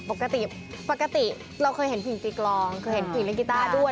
ปกติเราเคยเห็นผู้หญิงฟีกรองเคยเห็นผู้หญิงเล่นกีต้าด้วย